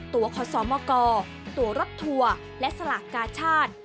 ตัวขสมกตัวรับถัวและสลากกาชาติ